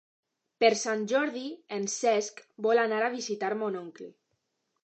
Per Sant Jordi en Cesc vol anar a visitar mon oncle.